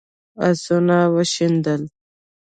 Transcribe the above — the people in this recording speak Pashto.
آسونه وشڼېدل.